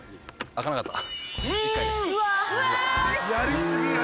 開かなかった。